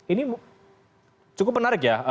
ini cukup menarik ya